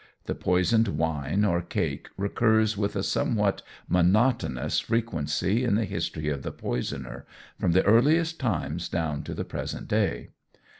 The poisoned wine or cake recurs with a somewhat monotonous frequency in the history of the poisoner, from the earliest times down to the present day.